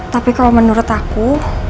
tapi kalo menurut aku